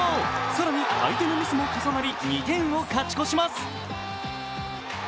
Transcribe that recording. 更に相手のミスも重なり２点を勝ち越します。